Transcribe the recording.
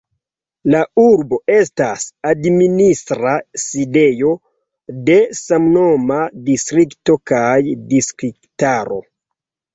La urbo estas administra sidejo de samnoma distrikto kaj distriktaro.